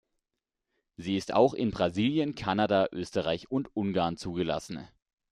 Sie ist auch in Brasilien, Kanada, Österreich und Ungarn zugelassen.